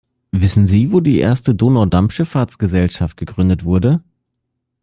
Wissen sie wo die erste Donaudampfschiffahrtsgesellschaft gegründet wurde?